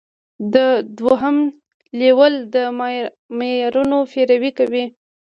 دوهم لیول د معیارونو پیروي کوي.